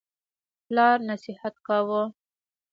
پلار نصیحت کاوه.